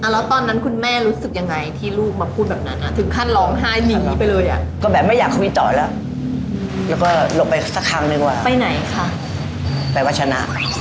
แล้วตอนนั้นคุณแม่รู้สึกยังไงที่ลูกมาพูดแบบนั้น